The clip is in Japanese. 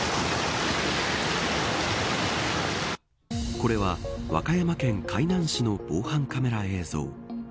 これは和歌山県海南市の防犯カメラの映像。